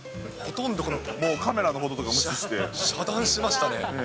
もうカメラのこととか無視して、遮断しましたね。